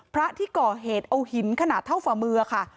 พระที่ก่อเหตุเอาหินขนาดเท่าฝ่ามือค่ะ